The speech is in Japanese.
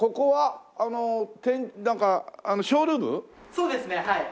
そうですねはい。